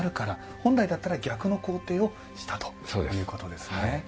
本来だったら逆の工程をしたということですね。